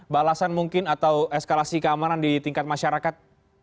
balasan mungkin atau eskalasi keamanan di tingkat masyarakat